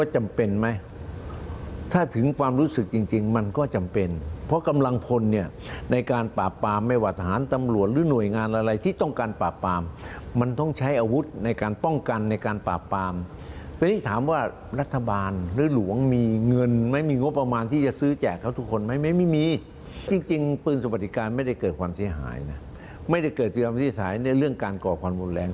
จริงปืนสวัสดิการไม่ได้เกิดความเสียหายนะไม่ได้เกิดความเสียหายในเรื่องการก่อความรุนแรง